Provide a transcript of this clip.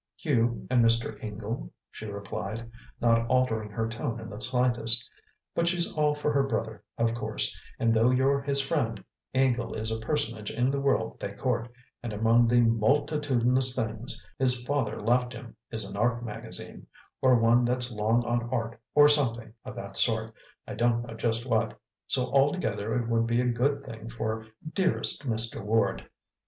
"You and Mr. Ingle," she replied, not altering her tone in the slightest. "But she's all for her brother, of course, and though you're his friend, Ingle is a personage in the world they court, and among the MULTITUDINOUS things his father left him is an art magazine, or one that's long on art or something of that sort I don't know just what so altogether it will be a good thing for DEAREST Mr. Ward.